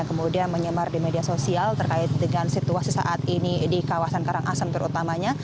kemudian menyebar di media sosial terkait dengan situasi saat ini di kawasan karangasem terutamanya